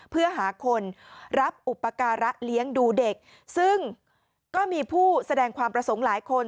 เพื่อหาคนรับอุปการะเลี้ยงดูเด็กซึ่งก็มีผู้แสดงความประสงค์หลายคน